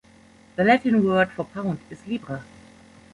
The Latin word for "pound" is libra.